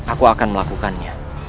aku akan melakukannya